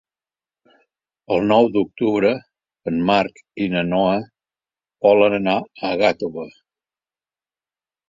El nou d'octubre en Marc i na Noa volen anar a Gàtova.